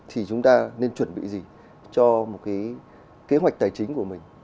thì chúng ta nên chuẩn bị gì cho một cái kế hoạch tài chính của mình